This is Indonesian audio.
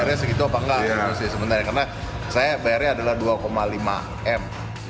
karena saya bayarnya adalah dua lima m